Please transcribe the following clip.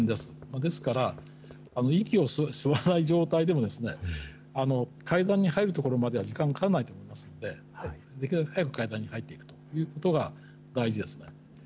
ですから、息を吸わない状態ででも、階段に入る所までは、時間かからないと思いますので、できるだけ早く階段に入っていくということが大事ですね。